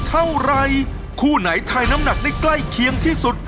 เท่าไรคู่ไหนไทยน้ำหนักได้ใกล้เคียงที่สุด